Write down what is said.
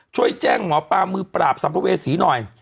ช่วยแจ้งหมอปลามือปราบสัมภเวษีหน่อย